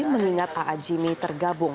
mengingat a jimmy tergabung